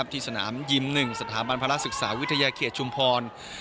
ที่สนามยิม๑สถาบันภาระศึกษาวิทยาเขตชุมพร